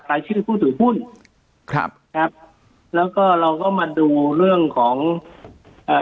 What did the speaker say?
รายชื่อผู้ถือหุ้นครับครับแล้วก็เราก็มาดูเรื่องของเอ่อ